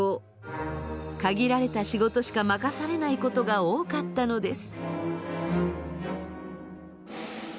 限られた仕事しか任されないことが多かったのです。